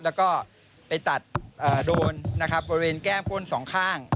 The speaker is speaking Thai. แล้วก็ไปตัดโดนบริเวณแก้มข้น๒ข้าง